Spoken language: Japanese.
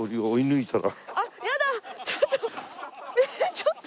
ちょっと。